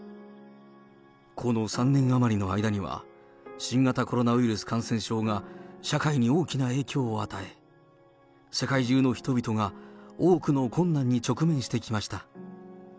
この３年余りの間には、新型コロナウイルス感染症が社会に大きな影響を与え、世界中の人々が多くの困難に直面してきました。